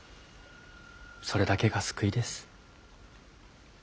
それだけが救いです。